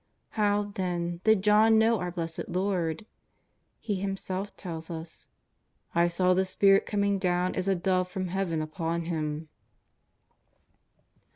How, then, did John know our Blessed Lord ? He him self tells us :" I saw the Spirit coming down as a dove from Heaven upon Him."